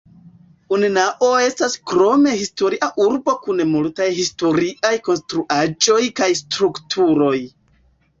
Unnao estas krome historia urbo kun multaj historiaj konstruaĵoj kaj strukturoj.